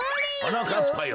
はなかっぱよ